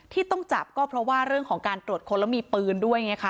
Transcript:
ที่ต้องจับก็เพราะว่าเรื่องของการตรวจค้นแล้วมีปืนด้วยไงคะ